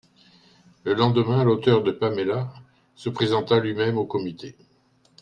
Le lendemain l'auteur de Paméla se présenta lui-même au comité.